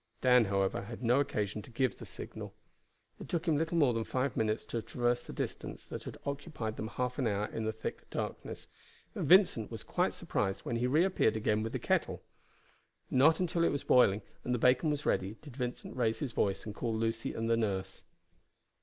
Dan, however, had no occasion to give the signal. It took him little more than five minutes to traverse the distance that had occupied them half an hour in the thick darkness, and Vincent was quite surprised when he reappeared again with the kettle. Not until it was boiling, and the bacon was ready, did Vincent raise his voice and call Lucy and the nurse.